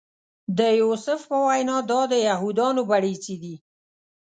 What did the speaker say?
د یوسف په وینا دا د یهودانو بړیڅي دي.